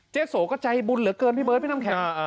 โสก็ใจบุญเหลือเกินพี่เบิร์ดพี่น้ำแข็ง